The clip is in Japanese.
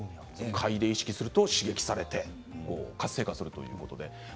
嗅いで意識すると刺激されて活性化するということです。